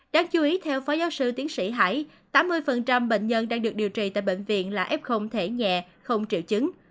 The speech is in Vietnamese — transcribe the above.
đáng chú ý theo phó giáo sư tiến sĩ hải tám mươi bệnh nhân đang được điều trị tại bệnh viện là f thể nhẹ không triệu chứng